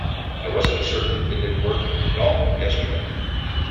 I wasn't certain it'd work at all yesterday.